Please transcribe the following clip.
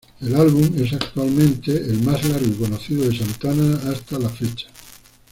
El álbum es actualmente la más largo y conocido de Santana hasta la fecha.